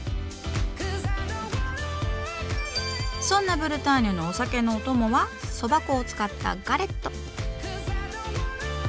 そんなブルターニュのお酒のオトモはそば粉を使った「ガレット」。